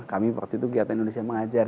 kami waktu itu kegiatan indonesia mengajar